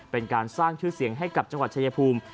เป็นการสร้างชื่อเสียงให้กับจังหวัดชายภูมิ